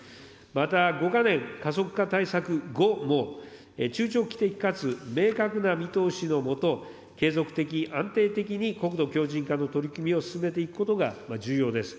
また、５か年加速化対策後も、中長期的かつ明確な見通しの下、継続的、安定的に国土強靭化の取り組みを進めていくことが重要です。